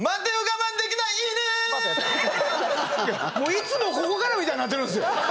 いつもここからみたいになってるんすよ。